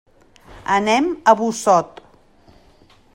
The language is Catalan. Anem a Busot.